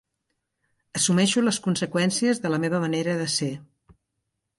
Assumeixo les conseqüències de la meva manera de ser.